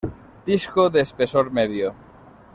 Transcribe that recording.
Disco de espesor medio.